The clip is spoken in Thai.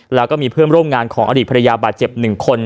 แล้วก็มีเพื่อนร่วมงานของอดีตภรรยาบาดเจ็บ๑คน